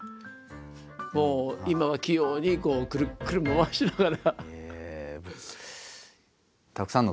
もう今は器用にくるくる回しながら。